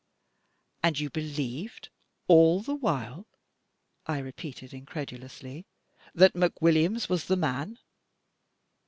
"And you believed all the while," I repeated, incredidously, "that McWilliams was the man?"